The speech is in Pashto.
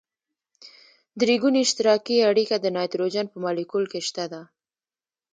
درې ګوني اشتراکي اړیکه د نایتروجن په مالیکول کې شته ده.